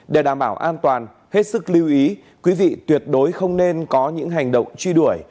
để đảm bảo an toàn hết sức lưu ý quý vị tuyệt đối không nên có những hành động truy đuổi